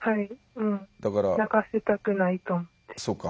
泣かせたくないと思って。